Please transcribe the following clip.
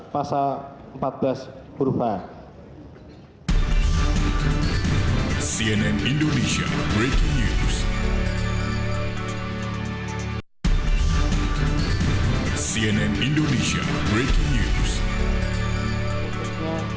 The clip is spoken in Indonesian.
masa empat belas berubah